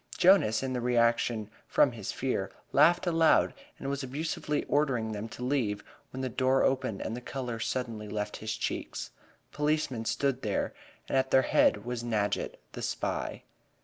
Jonas, in the reaction from his fear, laughed aloud, and was abusively ordering them to leave, when the door opened and the color suddenly left his cheeks. Policemen stood there, and at their head was Nadgett, the spy.